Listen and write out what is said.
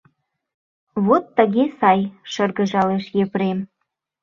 — Вот тыге сай! — шыргыжалеш Епрем.